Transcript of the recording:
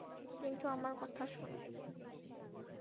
কিন্তু আমার কথা শোনো।